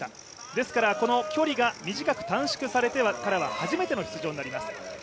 ですから距離が短く短縮されてからは、初めての出場となります。